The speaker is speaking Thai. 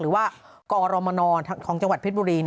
หรือว่ากอรมนของจังหวัดเพชรบุรี